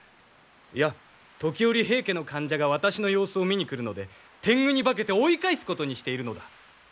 いや時折平家の間者が私の様子を見に来るので天狗に化けて追い返すことにしているのだ。